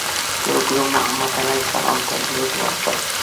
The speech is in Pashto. ټول ګروپ محمد علیه السلام ته درود واستوه.